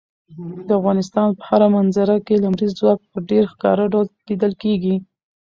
د افغانستان په هره منظره کې لمریز ځواک په ډېر ښکاره ډول لیدل کېږي.